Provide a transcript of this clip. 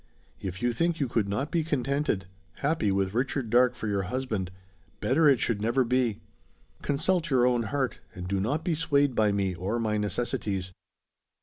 If you think you could not be contented happy with Richard Darke for your husband, better it should never be. Consult your own heart, and do not be swayed by me, or my necessities.